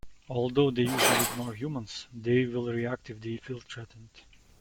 Although they usually ignore humans, they will react if they feel threatened.